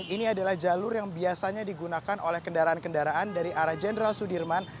ini adalah jalur yang biasanya digunakan oleh kendaraan kendaraan dari arah jenderal sudirman